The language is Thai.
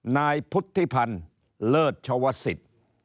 นายพุทธิพันธ์เลิศเฉาะวสิต